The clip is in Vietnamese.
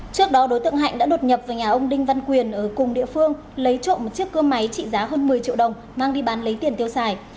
trước đó đối tượng hạnh đã đột nhập vào nhà ông đinh văn quyền ở cùng địa phương lấy trộm một chiếc cơ máy trị giá hơn một mươi triệu đồng mang đi bán lấy tiền tiêu xài